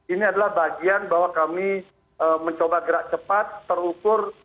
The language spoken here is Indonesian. ini adalah bagian bahwa kami mencoba gerak cepat terukur